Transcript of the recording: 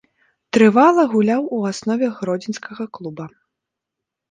Трывала гуляў у аснове гродзенскага клуба.